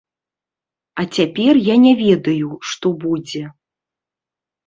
А цяпер я не ведаю, што будзе.